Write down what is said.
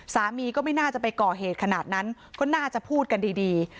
สามีก็ไม่น่าจะไปก่อเหตุขนาดนั้นก็น่าจะพูดกันดี